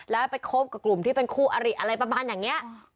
แล้วไปคบกับกลุ่มที่เป็นคู่อริอะไรประมาณอย่างนี้